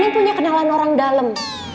nenek punya kenalan orang dalem